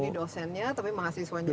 jadi dosennya tapi mahasiswanya juga